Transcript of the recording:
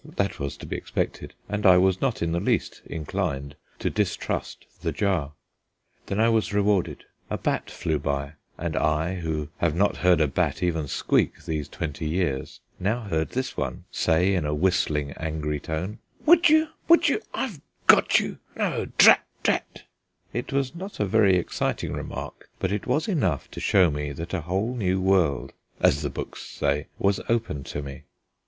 That was to be expected, and I was not in the least inclined to distrust the jar. Then I was rewarded; a bat flew by, and I, who have not heard a bat even squeak these twenty years, now heard this one say in a whistling angry tone, "Would you, would you, I've got you no, drat, drat." It was not a very exciting remark, but it was enough to show me that a whole new world (as the books say) was open to me.